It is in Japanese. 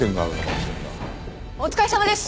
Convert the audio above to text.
お疲れさまです！